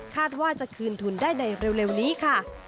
ว่าจะคืนทุนได้ในเร็วนี้ค่ะ